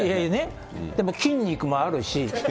でも筋肉もあるし。